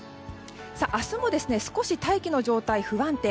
明日も少し大気の状態、不安定。